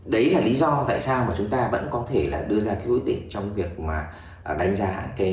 đấy là lý do tại sao mà chúng ta vẫn có thể đưa ra cái đối tượng trong việc đánh giá